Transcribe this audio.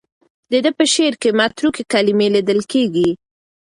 د ده په شعر کې متروکې کلمې لیدل کېږي.